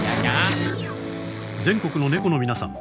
全国のネコの皆さん。